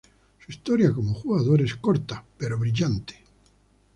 Su historia como jugador es corta, pero brillante.